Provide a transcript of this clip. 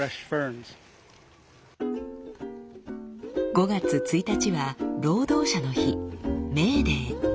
５月１日は労働者の日「メーデー」。